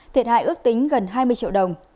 thiệt hại ước tính gần hai mươi triệu đồng